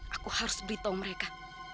aku harus beritahu mereka